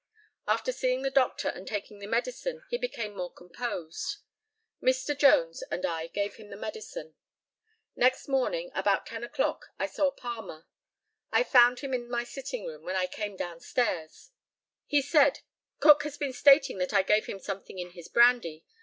After seeing the doctor and taking the medicine he became more composed. Mr. Jones and I gave him the medicine. Next morning, about ten o'clock, I saw Palmer. I found him in my sitting room when I came down stairs; he said, "Cook has been stating that I gave him something in his brandy.